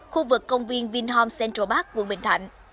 khu vực công viên vinhom central park quận bình thạnh